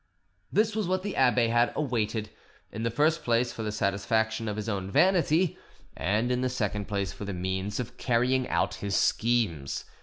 This was what the abbe had awaited, in the first place for the satisfaction of his own vanity, and in the second place for the means of carrying out his schemes.